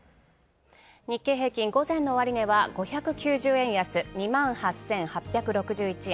日経平均午前の終値は５９０円安、２万８８６１円。